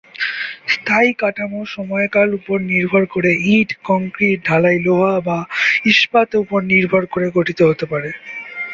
স্থায়ী কাঠামো সময়কাল উপর নির্ভর করে ইট, কংক্রিট, ঢালাই লোহা বা ইস্পাত উপর নির্ভর করে গঠিত হতে পারে।